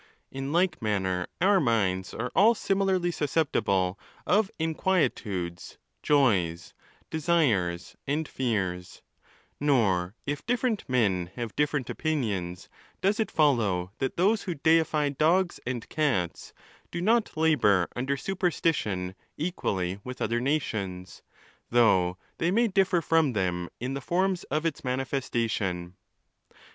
In like manner our minds are all similarly susceptible of inquietudes, joys, desires, and fears; nor if different men have different opinions, does it follow that those who deify dogs and cats, do not labour under superstition equally with other nations, though they may differ from them in the forms of its manifestation.